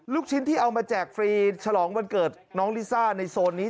ลูกชิ้นที่เอามาแจกฟรีฉลองวันเกิดน้องลิซ่าในโซนนี้